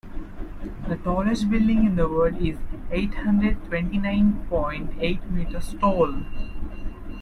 The tallest building in the world is eight hundred twenty nine point eight meters tall.